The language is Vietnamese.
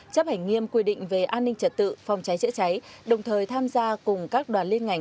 chấp hành nghiêm quy định về an ninh trật tự phòng cháy chữa cháy đồng thời tham gia cùng các đoàn liên ngành